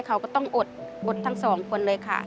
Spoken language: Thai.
เขาก็ต้องอดอดทั้งสองคนเลยค่ะ